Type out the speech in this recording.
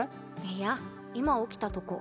いや今起きたとこ。